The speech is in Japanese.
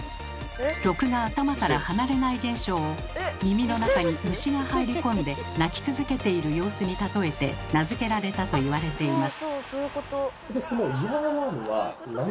「曲が頭から離れない現象」を耳の中に虫が入り込んで鳴き続けている様子に例えて名付けられたといわれています。